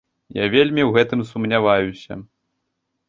Я вельмі ў гэтым сумняваюся.